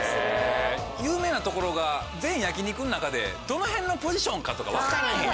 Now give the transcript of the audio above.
有名なところが全焼き肉の中でどの辺のポジションかとか分からへんやん。